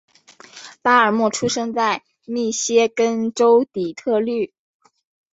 巴尔默出生在密歇根州底特律。